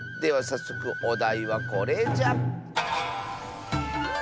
さっそくおだいはこれじゃ。